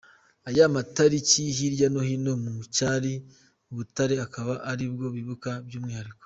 Aya mataliki hirya no hino mu cyari Butare akaba ari bwo bibuka by’umwihariko.